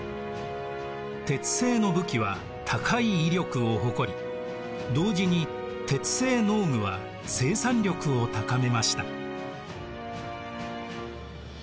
鉄製の武器は高い威力を誇り同時に鉄製農具は生産力を高めました。